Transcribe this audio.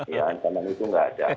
ya ancaman itu nggak ada